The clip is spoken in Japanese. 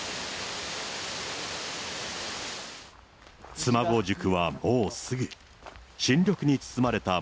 妻籠宿はもうすぐ。